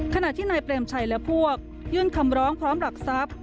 ขณะที่นายเปรมชัยและพวกยื่นคำร้องพร้อมหลักทรัพย์